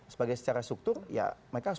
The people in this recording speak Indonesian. sebagai secara struktur ya mereka harus